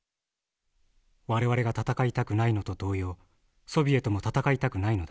我々が戦いたくないのと同様ソビエトも戦いたくないのだ。